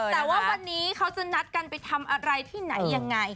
แต่ว่าวันนี้เขาจะนัดกันไปทำอะไรที่ไหนยังไง